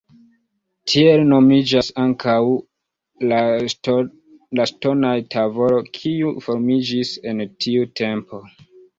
Tiel nomiĝas ankaŭ la ŝtonaĵ-tavolo, kiu formiĝis en tiu tempo.